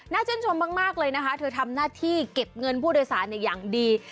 ชื่นชมมากเลยนะคะเธอทำหน้าที่เก็บเงินผู้โดยสารอย่างดี